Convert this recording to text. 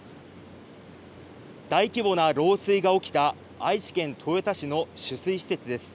大規模な漏水が起きた愛知県豊田市の取水施設です。